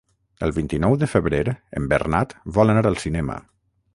El vint-i-nou de febrer en Bernat vol anar al cinema.